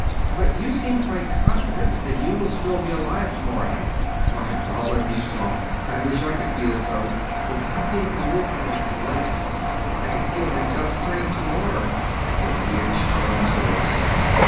But you seem quite confident that you will still be alive tomorrow night. By Baal and Ishtar, I wish I could feel so! With something to live for at last, I can feel my guts turning to water I can hear Charon's oars.